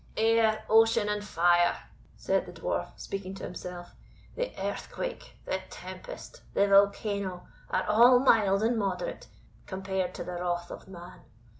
"Air, ocean, and fire," said the Dwarf, speaking to himself, "the earthquake, the tempest, the volcano, are all mild and moderate, compared to the wrath of man.